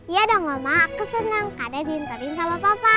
ya dong mama aku senang kadang diinterin sama papa